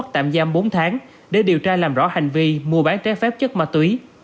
tạm giam bốn tháng để điều tra làm rõ hành vi mua bán trái phép chất ma túy